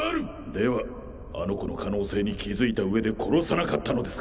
ではあの子の可能性に気づいた上で殺さなかったのですか？